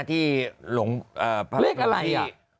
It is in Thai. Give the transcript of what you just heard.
ที่หลงพระอาคารที่